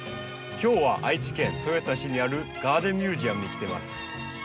今日は愛知県豊田市にあるガーデンミュージアムに来てます。